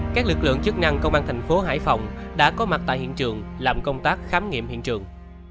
các lực lượng chức năng công an thành phố hải phòng đã có mặt tại hiện trường làm công tác khám nghiệm hiện trường